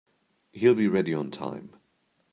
He'll be ready on time.